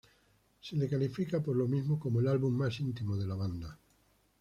Se le califica, por lo mismo, como el álbum "más íntimo" de la banda.